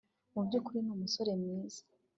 Mu byukuri ni umusore mwiza